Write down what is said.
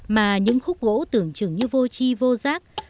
mà những khúc gỗ tưởng chừng như vô chi vô giác